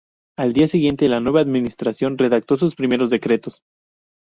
Al día siguiente, la nueva administración redactó sus primeros decretos.